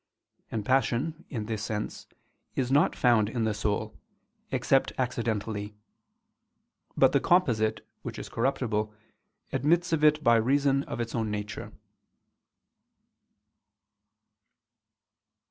And passion, in this sense, is not found in the soul, except accidentally: but the composite, which is corruptible, admits of it by reason of its own nature.